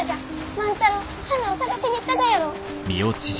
万太郎花を探しに行ったがやろう！